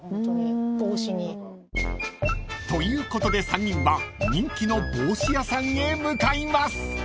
［ということで３人は人気の帽子屋さんへ向かいます］